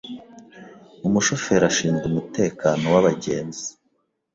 Umushoferi ashinzwe umutekano wabagenzi.